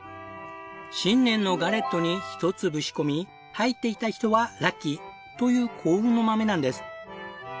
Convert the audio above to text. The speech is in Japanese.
新年のガレットに１粒仕込み入っていた人はラッキー！という幸運の豆なんです。